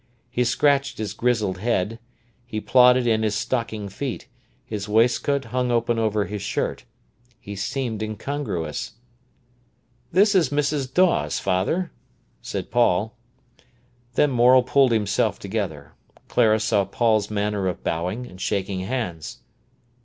He scratched his grizzled head, he plodded in his stocking feet, his waistcoat hung open over his shirt. He seemed incongruous. "This is Mrs. Dawes, father," said Paul. Then Morel pulled himself together. Clara saw Paul's manner of bowing and shaking hands.